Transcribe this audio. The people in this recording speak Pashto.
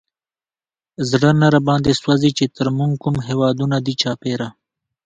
زړه نه راباندې سوزي، چې تر مونږ کوم هېوادونه دي چاپېره